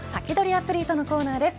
アツリートのコーナーです。